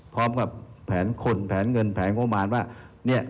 พร้อมกับแผนคนแผนเงินแผนงบประมาณว่า